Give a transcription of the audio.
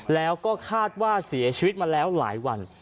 แล้วก็คาดว่าเสียชีวิตมาแล้วหลายวัน